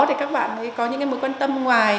để các bạn có những mối quan tâm ngoài